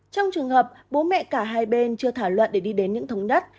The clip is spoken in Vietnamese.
trong trường hợp bố mẹ cả hai bên chưa thảo luận để đi đến những thống đất